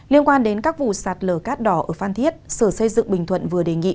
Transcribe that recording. liên quan đến các vụ sạt lở cát đỏ ở phan thiết sở xây dựng bình thuận vừa đề nghị